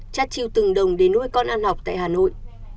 chát chiêu từng đồng để nuôi con ăn học tại hà nội